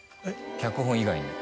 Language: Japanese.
脚本以外に。